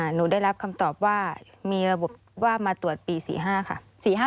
หนูได้รับคำตอบว่ามีระบบว่ามาตรวจปี๔๕ค่ะ